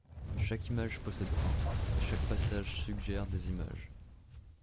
Chaque image possède un et chaque passage suggère des images.